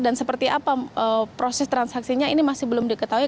dan seperti apa proses transaksinya ini masih belum diketahui